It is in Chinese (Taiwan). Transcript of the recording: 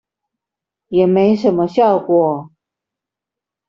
也沒什麼效果